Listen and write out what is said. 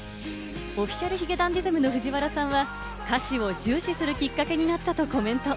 Ｏｆｆｉｃｉａｌ髭男ｄｉｓｍの藤原さんは歌詞を重視するきっかけになったとコメント。